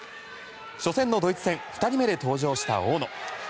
初戦のドイツ戦２人目で登場した大野。